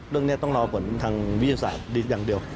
เรื่องนี้ต้องรอผลทางวิทยาศาสตร์อย่างเดียว